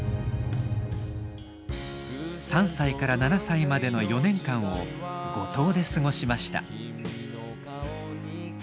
３歳から７歳までの４年間を五島で過ごしました。